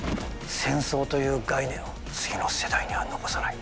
戦争という概念を次の世代には残さない。